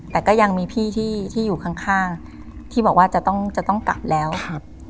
แต่ก็ยังมีพี่ที่อยู่ข้างข้างที่บอกว่าจะต้องจะต้องกลับแล้วครับ